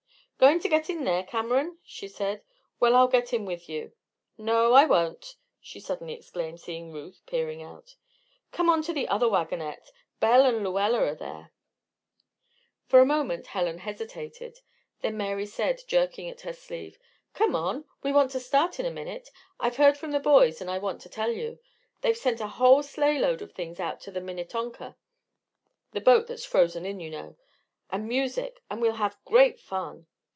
"Going to get in here, Cameron?" she said. "Well, I'll get in with you no, I won't!" she suddenly exclaimed, seeing Ruth peering out. "Come on to the other wagonette; Belle and Lluella are there." For a moment Helen hesitated. Then Mary said, jerking at her sleeve: "Come on! We want to start in a minute. I've heard from the boys and I want to tell you. They've sent a whole sleighload of things out to the Minnetonka the boat that's frozen in, you know and music, and we'll have great fun.